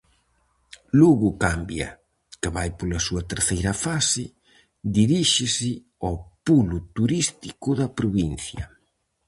Lugo Cambia, que vai pola súa terceira fase, diríxese ao pulo turístico da provincia.